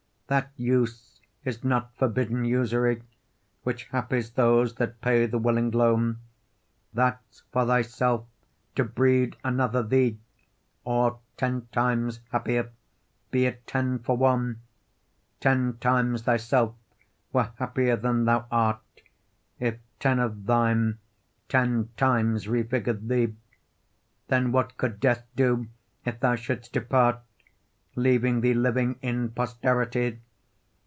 That use is not forbidden usury, Which happies those that pay the willing loan; That's for thyself to breed another thee, Or ten times happier, be it ten for one; Ten times thyself were happier than thou art, If ten of thine ten times refigur'd thee: Then what could death do if thou shouldst depart, Leaving thee living in posterity?